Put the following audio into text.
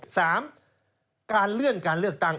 สามการเลื่อนการเลือกตั้ง